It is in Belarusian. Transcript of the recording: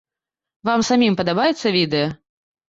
Вам самім падабаецца відэа?